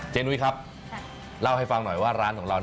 นุ้ยครับเล่าให้ฟังหน่อยว่าร้านของเรา